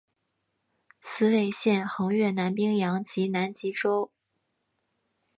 此纬线横越南冰洋及南极洲。